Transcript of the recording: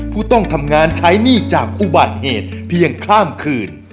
ผู้ต้องทำงานใช้หนี้จากอุบัติเหตุเพียงข้ามคืน